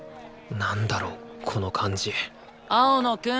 なんだろうこの感じ青野くん！